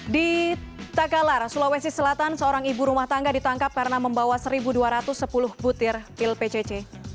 di takalar sulawesi selatan seorang ibu rumah tangga ditangkap karena membawa satu dua ratus sepuluh butir pil pcc